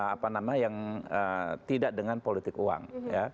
apa nama yang tidak dengan politik uang